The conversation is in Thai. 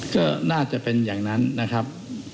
ก็น่าจะเป็นอย่างนั้นนะครับ